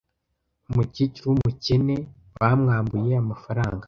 Umukecuru wumukene bamwambuye amafaranga.